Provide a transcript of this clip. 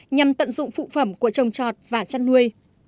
nhằm tận dụng phụ phẩm của trồng trọt và chăn nuôi